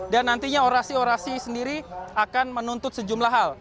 dan nantinya orasi orasi sendiri akan menuntut sejumlah hal